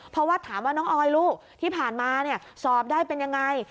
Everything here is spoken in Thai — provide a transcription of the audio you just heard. เพราะว่าถามว่าน้องออยลูกที่ผ่านมาสอบได้เป็นยังไง